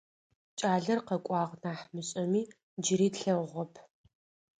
Кӏалэр къэкӏуагъ нахь мышӏэми, джыри тлъэгъугъэп.